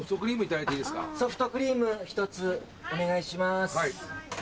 ソフトクリーム１つお願いします。